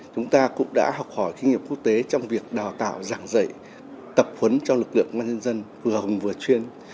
chúng ta cũng đã học hỏi kinh nghiệm quốc tế trong việc đào tạo giảng dạy tập huấn cho lực lượng man nhân dân vừa hồng vừa chuyên